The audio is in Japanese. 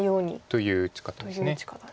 という打ち方です。